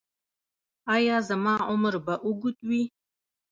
ایا زما عمر به اوږد وي؟